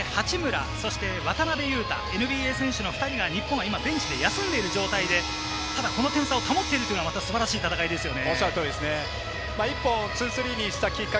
八村、渡邊雄太、ＮＢＡ選手の２人が日本は今、ベンチで休んでいる状態でこの点差を守っているのは素晴らしいですよね。